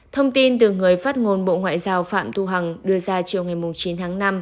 thông tin từ người phát ngôn bộ ngoại giao phạm thu hằng đưa ra chiều ngày chín tháng năm